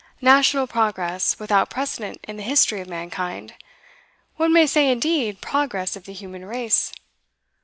National Progress, without precedent in the history of mankind! One may say, indeed, Progress of the Human Race.